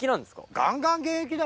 ガンガン現役だよ。